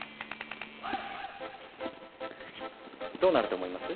どうなると思います？